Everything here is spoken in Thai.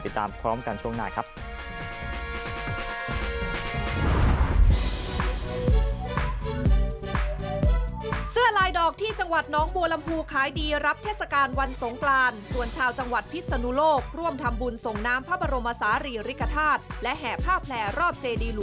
ติดตามพร้อมกันช่วงหน้าครับ